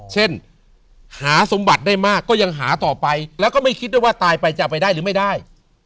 หาสมบัติได้มากก็ยังหาต่อไปแล้วก็ไม่คิดด้วยว่าตายไปจะไปได้หรือไม่ได้